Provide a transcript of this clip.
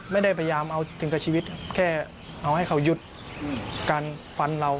ไม่ได้พยายามเอาถึงกับชีวิตครับแค่เอาให้เขาหยุดการฟันเรา